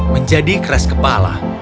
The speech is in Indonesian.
menjadi keras kepala